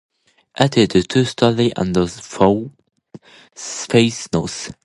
It is two stories and faces north.